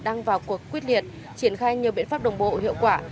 đang vào cuộc quyết liệt triển khai nhiều biện pháp đồng bộ hiệu quả